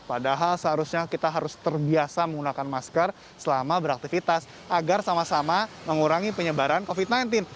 padahal seharusnya kita harus terbiasa menggunakan masker selama beraktivitas agar sama sama mengurangi penyebaran covid sembilan belas